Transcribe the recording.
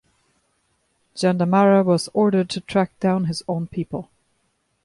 Jandamarra was ordered to track down his own people.